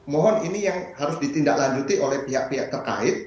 mohon ini yang harus ditindaklanjuti oleh pihak pihak terkait